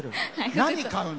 何買うの？